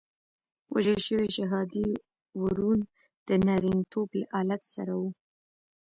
د وژل شوي شهادي ورون د نارینتوب له آلت سره وو.